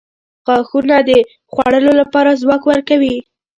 • غاښونه د خوړلو لپاره ځواک ورکوي.